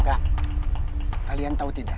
kak kalian tahu tidak